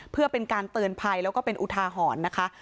เพื่อเป็นการเตือนภัยแล้วก็เป็นอุทาหรณ์นะคะ